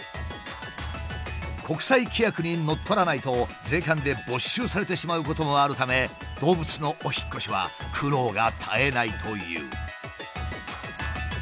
国際規約にのっとらないと税関で没収されてしまうこともあるため動物のお引っ越しは苦労が絶えないという。